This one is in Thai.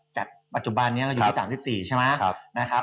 จากปัจจุบันนี้เราอยู่ที่๓๔ใช่มั้ย